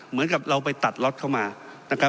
เหมือนกับเราไปตัดล็อตเข้ามานะครับ